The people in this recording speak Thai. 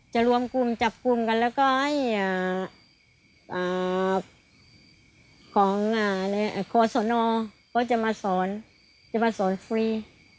จะรวมกลุ่มกันแล้วก็ให้ของอ่าโคสโนเขาจะมาสอนจะมาสอนฟรี